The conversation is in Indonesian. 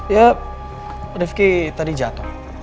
ya rifki tadi jatuh